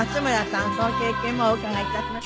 その経験もお伺い致します。